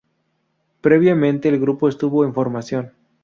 Previamente el grupo estuvo en formación.